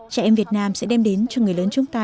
trẻ em việt nam sẽ đem đến cho người lớn chúng ta